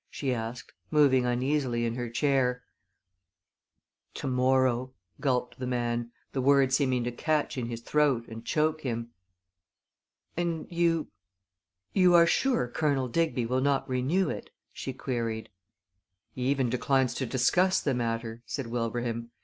she asked, moving uneasily in her chair. "To morrow," gulped the man, the word seeming to catch in his throat and choke him. "And you you are sure Colonel Digby will not renew it?" she queried. "He even declines to discuss the matter," said Wilbraham.